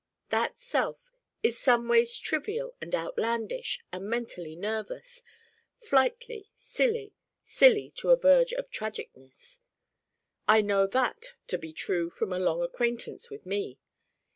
That Self is someways trivial and outlandish and mentally nervous, flightly, silly silly to a verge of tragicness. I know that to be true from a long acquaintance with me.